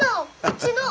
うちの！